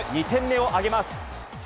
２点目を挙げます。